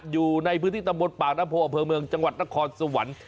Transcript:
อยู่ในพื้นที่ตำบลปากน้ำโพอำเภอเมืองจังหวัดนครสวรรค์